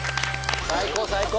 最高最高！